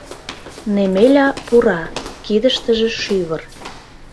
Немеля пура. кидыштыже шӱвыр.